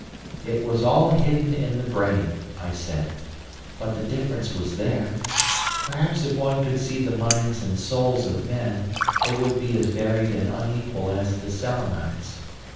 'It was all hidden in the brain,' I said; but the difference was there. Perhaps if one could see the minds and souls of men they would be as varied and unequal as the Selenites.